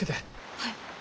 はい。